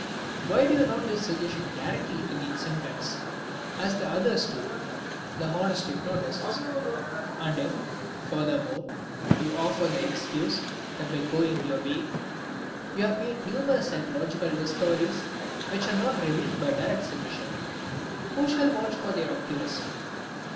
Why do you not use suggestion directly against symptoms, as the others do, the honest hypnotists? And if, furthermore, you offer the excuse that by going your way you have made numerous psychological discoveries which are not revealed by direct suggestion, who shall vouch for their accuracy?